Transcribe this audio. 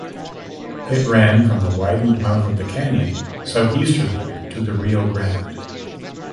It ran from the widened mouth of the canyon southeasterly to the Rio Grande.